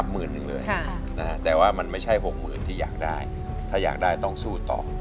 เดี๋ยวเราจะแข่งกันเพลงที่